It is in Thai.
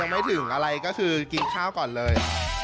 ไม่ถึงอะไรก็คือกินข้าวก่อนเลย